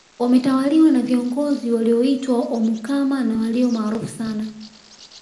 Wametawaliwa na viongozi walioitwa omukama na walio maarufu sana